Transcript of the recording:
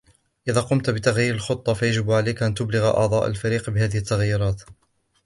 إذا قمت بتغيير الخطة، فيجب عليك أن تبلغ أعضاء الفريق بهذه التغييرات.